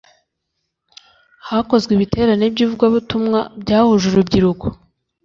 Hakozwe ibiterane by’ivugabutumwa byahuje urubyiruko